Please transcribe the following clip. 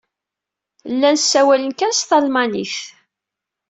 Llan ssawalen kan s talmanit.